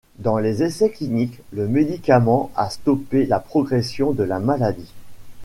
Dans les essais cliniques, le médicament a stoppé la progression de la maladie.